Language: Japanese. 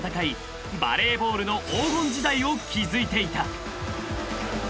バレーボールの黄金時代を築いていた］